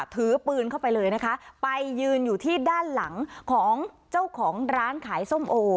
ถือปืนเข้าไปเลยนะคะไปยืนอยู่ที่ด้านหลังของเจ้าของร้านขายส้มโอ